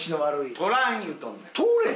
取らん言うとんねん。